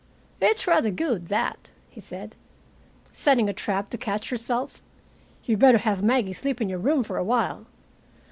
"It's rather good, that," he said. "Setting a trap to catch yourself. You'd better have Maggie sleep in your room for a while.